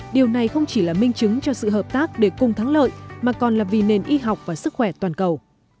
điều này không chỉ là minh chứng cho sự hợp tác để cùng thắng lợi mà còn là vì nền y học và sức khỏe toàn cầu